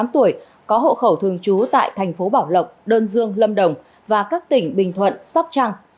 tám tuổi có hộ khẩu thường trú tại thành phố bảo lộc đơn dương lâm đồng và các tỉnh bình thuận sóc trăng